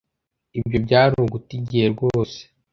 Ibyo byari uguta igihe rwose.